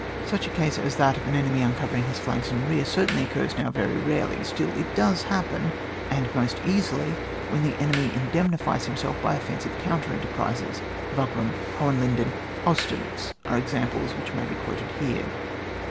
Such a case as that of an enemy uncovering his flanks and rear, certainly occurs now very rarely, still it does hap pen, and most easily, when the enemy indemnifies himself by offensive counter enterprises (Wagram, Hohenlinden, Austerlitz, are examples which may be quoted here).